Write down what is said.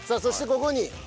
ここに？